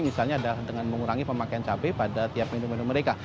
misalnya adalah dengan mengurangi pemakaian cabai pada tiap minum menu mereka